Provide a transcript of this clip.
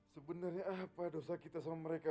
sebenernya apa dosa kita sama mereka ma